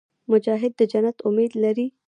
مجاهد د جنت امید لري.